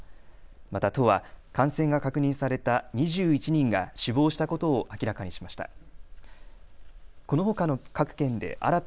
また都は感染が確認された２１人が死亡したことを明らかにしました。